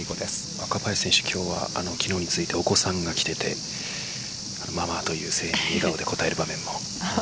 若林選手、今日は昨日に続いてお子さんが来ていてママという声援に笑顔で応える場面も。